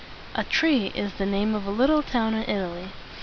A tri is the name of a little town in It a ly.